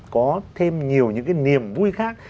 có thêm nhiều những cái niềm vui khác